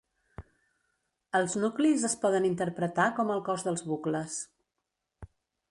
Els nuclis es poden interpretar com el cos dels bucles.